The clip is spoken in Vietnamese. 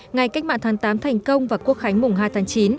ngày cách mạng tháng tám thành công và quốc khánh mùng hai tháng chín